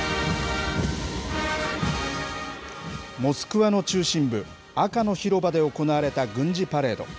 モスクワの中心部、赤の広場で行われた軍事パレード。